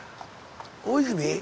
大泉。